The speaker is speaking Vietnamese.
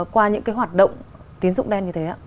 qua những hoạt động tín dụng đen như thế ạ